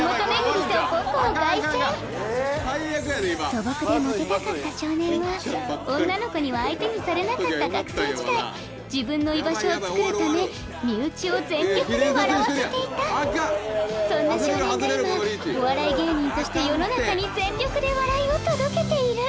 素朴でモテたかった少年は女の子には相手にされなかった学生時代自分の居場所を作るため身内を全力で笑わせていたそんな少年が今お笑い芸人として世の中に全力で笑いを届けている！